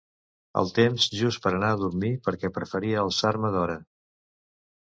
El temps just per a anar a dormir perquè preferia alçar-me d'hora.